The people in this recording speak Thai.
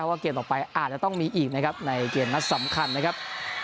ว่าเกมต่อไปอาจจะต้องมีอีกนะครับในเกมนัดสำคัญนะครับ